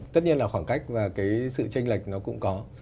tất nhiên là khoảng cách và cái sự tranh lệch nó cũng có